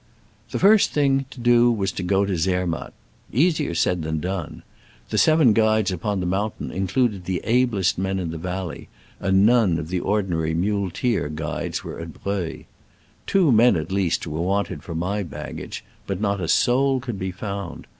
The first thing to do was to go to Zer matt. Easier said than done. The seven guides upon the mountain in cluded the ablest men in the valley, and none of the ordinary muleteer guides were at Breuil. Two men, at least, were wanted for my baggage, but not a soul could be found.